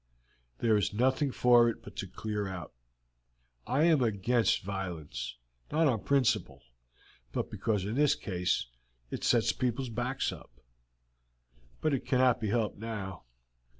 There is nothing for it but to clear out. I am against violence, not on principle, but because in this case it sets people's backs up; but it cannot be helped now.